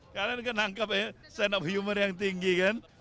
kalian tidak tangkap ya senap humor yang tinggi kan